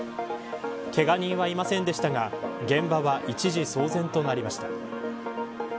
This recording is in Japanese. けが人はいませんでしたが現場は一時騒然となりました。